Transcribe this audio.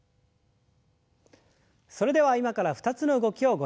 それでは今から２つの動きをご紹介します。